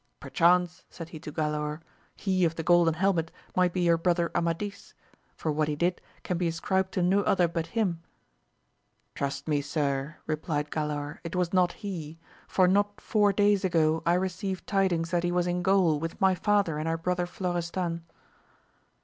Perchance, said he to Galaor, he of the golden helmet might be your brother Amadis, for what he did can be ascribed to no other but him. Trust me sir, re plied Galaor, it was not he ; for not four days ago I received tidings that he was in Gaul with my father and our brother Florestan.